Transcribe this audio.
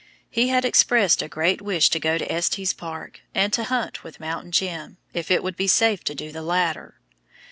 He had expressed a great wish to go to Estes Park, and to hunt with "Mountain Jim," if it would be safe to do the latter.